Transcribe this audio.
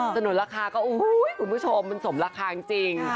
นุนราคาก็คุณผู้ชมมันสมราคาจริง